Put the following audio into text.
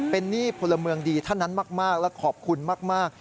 เป็นหนี้พลเมืองดีท่านนั้นมากและขอบคุณมาก